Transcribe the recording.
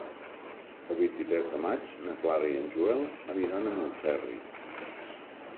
El vint-i-tres de maig na Clara i en Joel aniran a Montferri.